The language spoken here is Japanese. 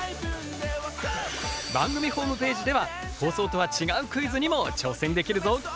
番組ホームページでは放送とは違うクイズにも挑戦できるぞ。